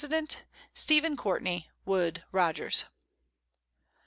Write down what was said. _ Stephen Courtney. Woode Rogers.